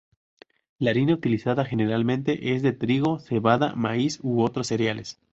La harina utilizada generalmente es de trigo, cebada, maíz u otros cereales.